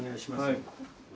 はい。